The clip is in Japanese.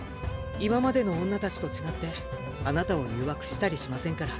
今までの女たちと違ってあなたを誘惑したりしませんから。